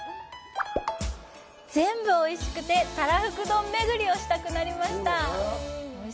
全部おいしくて、たらふく丼めぐりをしたくなりました！